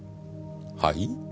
はい？